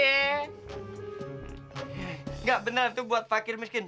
enggak benar itu buat pakir miskin